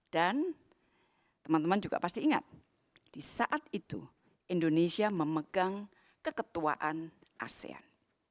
dan teman teman juga pasti ingat di saat itu indonesia memegang keketuaan asean